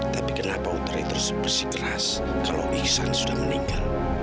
tapi kenapa putari terus bersikeras kalau iksan sudah meninggal